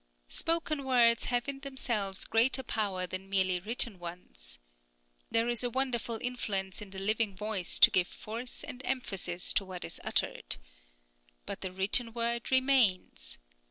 Spoken words have in themselves greater power than merely written ones. There is a wonderful influence in the living voice to give force and emphasis to what is uttered. But the written word remains.